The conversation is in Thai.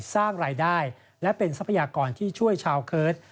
สร้างรายได้และเป็นทรัพยากรที่ช่วยชาวเคิร์ต